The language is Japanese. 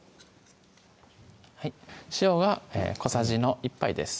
はい塩は小さじの１杯です